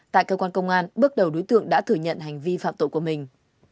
tại cơ quan công an bước đầu đối tượng đã thừa nhận hành vi phạm tội của mình